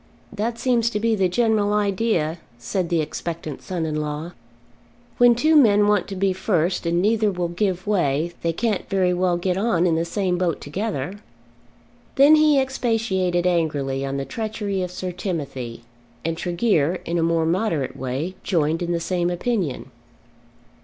"That seems to be the general idea," said the expectant son in law. "When two men want to be first and neither will give way, they can't very well get on in the same boat together." Then he expatiated angrily on the treachery of Sir Timothy, and Tregear in a more moderate way joined in the same opinion.